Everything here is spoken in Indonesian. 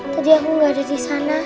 tadi aku gak ada disana